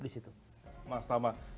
di situ mas tama